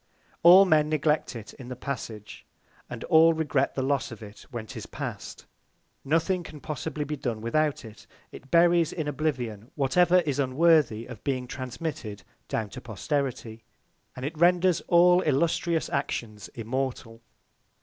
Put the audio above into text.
All Men neglect it in the Passage; and all regret the Loss of it when 'tis past. Nothing can possibly be done without it; it buries in Oblivion whatever is unworthy of being transmitted down to Posterity; and it renders all illustrious Actions immortal.